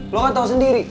lo kan tau sendiri